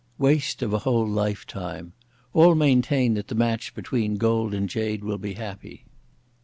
Waste of a whole Lifetime. All maintain that the match between gold and jade will be happy.